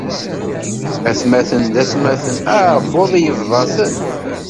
Atmaten d atmaten, aɛbbuḍ yebḍa-ten.